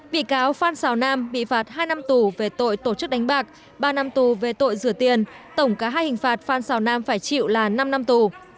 bị cáo phan xào nam bị phạt hai năm tù về tội tổ chức đánh bạc ba năm tù về tội rửa tiền tổng cả hai hình phạt phan xào nam phải chịu là năm năm tù